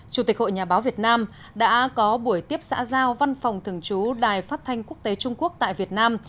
chủ tịch hội nhà báo việt nam đã có buổi tiếp xã giao văn phòng thường trú đài phát thanh quốc tế trung quốc tại việt nam